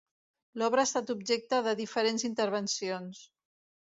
L'obra ha estat objecte de diferents intervencions.